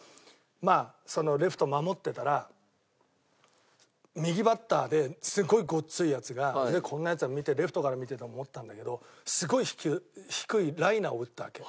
まあそのレフト守ってたら右バッターですごいゴツいヤツが腕こんなヤツを見てレフトから見てて思ったんだけどすごい低いライナーを打ったわけ。